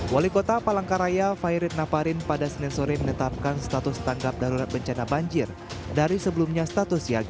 wali kota palangkaraya fairit naparin pada senin sore menetapkan status tanggap darurat bencana banjir dari sebelumnya status siaga